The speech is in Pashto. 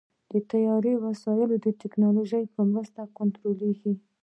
د طیارې وسایل د ټیکنالوژۍ په مرسته کنټرولېږي.